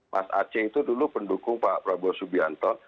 mas aceh itu dulu pendukung pak prabowo subianto